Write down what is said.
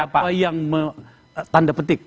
apa yang tanda petik